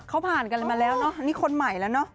เขาผ่านกันมาแล้วเนอะนี่คนใหม่แล้วเนอะ